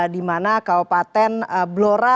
di mana kaupaten blora